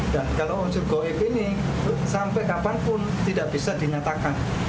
dan kalau unsur goib ini sampai kapanpun tidak bisa dinyatakan